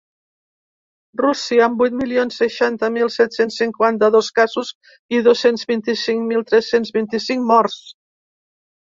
Rússia, amb vuit milions seixanta mil set-cents cinquanta-dos casos i dos-cents vint-i-cinc mil tres-cents vint-i-cinc morts.